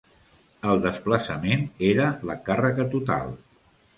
El desplaçament era la càrrega total.